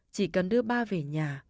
chỉ cần đưa ba về nhà